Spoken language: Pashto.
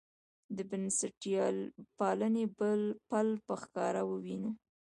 د بنسټپالنې پل په ښکاره ووینو.